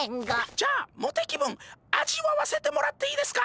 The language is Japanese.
じゃあモテ気分味わわせてもらっていいですか？